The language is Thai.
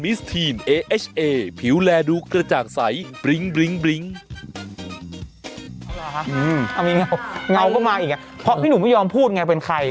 เอาล่ะครับอืมเอามีเงาเงาก็มาอีกเนี้ยเพราะพี่หนูไม่ยอมพูดไงเป็นใคร